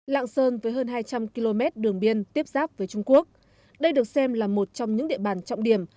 lạng sơn với hơn hai trăm linh km đường biên tiếp giáp với trung quốc đây được xem là một trong những địa bàn trọng điểm